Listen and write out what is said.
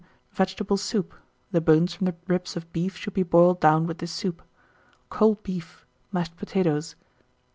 Vegetable soup (the bones from the ribs of beef should be boiled down with this soup), cold beef, mashed potatoes.